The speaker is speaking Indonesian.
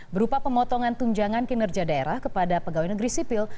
berupa pemotongan tunjangan kinerja daerah kepada pegawai negeri sipil